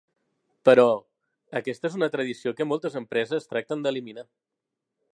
Però, aquesta és una tradició que moltes empreses tracten d'eliminar.